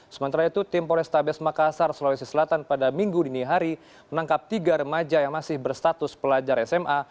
sementara itu tim polrestabes makassar sulawesi selatan pada minggu dini hari menangkap tiga remaja yang masih berstatus pelajar sma